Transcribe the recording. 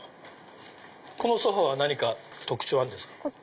このソファは何か特徴あるんですか？